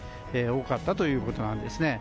多かったということなんです。